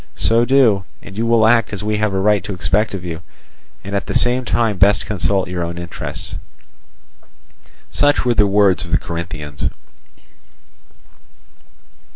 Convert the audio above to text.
So do, and you will act as we have a right to expect of you, and at the same time best consult your own interests." Such were the words of the Corinthians.